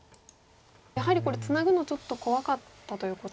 やはりこれツナぐのちょっと怖かったということですか？